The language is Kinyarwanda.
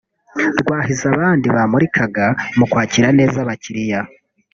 rwahize abandi bamurikaga mu kwakira neza abakiriya